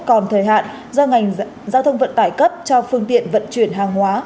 còn thời hạn do ngành giao thông vận tải cấp cho phương tiện vận chuyển hàng hóa